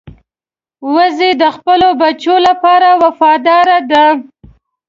وزې د خپلو بچو لپاره وفاداره ده